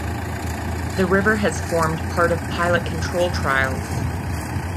The river has formed part of pilot control trials.